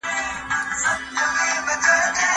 ولي کله ناکله زموږ زړه تر عقل غوره پرېکړه کوي؟